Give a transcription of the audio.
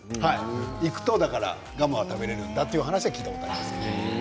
行くとガムが食べられるっていう話は聞いたことがあります。